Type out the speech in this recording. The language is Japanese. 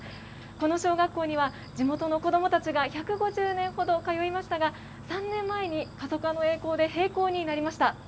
この小学校には、地元の子どもたちが１５０年ほど通いましたが、３年前に過疎化の影響で閉校になりました。